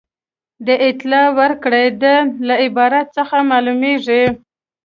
د اطلاع ورکړې ده له عبارت څخه معلومیږي.